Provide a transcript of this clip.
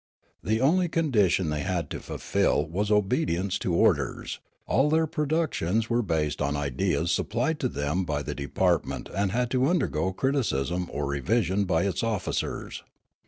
The only condition they had to fulfil was obedience to orders ; all their produc tions were based on ideas supplied to them by the 6 82 Riallaro department and had to undergo criticism or revision by its officers.